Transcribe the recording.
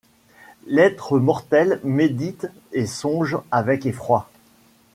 L’être mortel médite et songe avec effroi